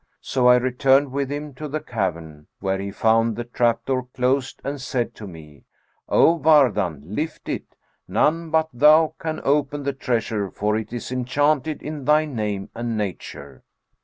So I returned with him to the cavern, where he found the trap door closed and said to me, 'O Wardan, lift it; none but thou can open the treasure, for it is enchanted in thy name and nature.'